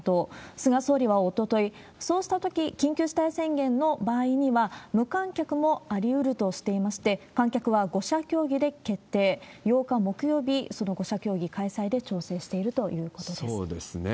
菅総理はおととい、そうしたとき、緊急事態宣言の場合には無観客もありうるとしていまして、観客は５者協議で決定、８日木曜日、その５者協議開催で調整しているということです。